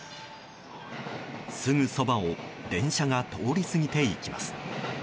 すぐそばを電車が通り過ぎていきます。